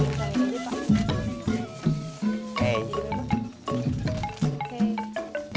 udah selesai belanja nya